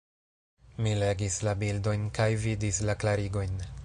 Mi legis la bildojn, kaj vidis la klarigojn.